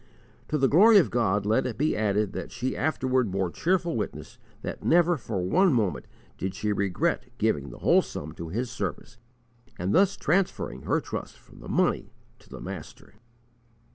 To the glory of God let it be added that she afterward bore cheerful witness that never for one moment did she regret giving the whole sum to His service, and thus transferring her trust from the money to the Master.